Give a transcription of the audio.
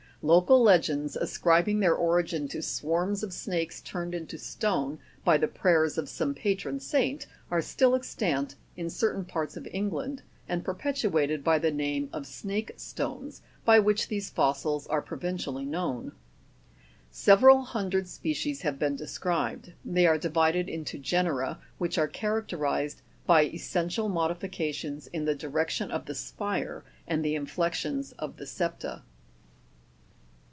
Local legends, ascribing their origin to swarms of snakes turned into stone by the prayers of some patron saint, are still extant in certain parts of England, and perpetuated by the name of snake stones, by which these fossils are provin v cially known. Several hundred species have been described ; they are divided into genera, which are characterized by es sential modifications in the di rection of the spire, and the inflections of the septa.